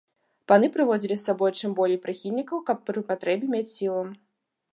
Паны прыводзілі з сабою чым болей прыхільнікаў, каб пры патрэбе мець сілу.